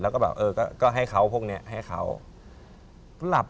แล้วก็แบบ